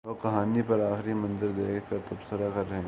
لوگ کہانی پر آخری منظر دیکھ کر تبصرہ کر رہے ہیں۔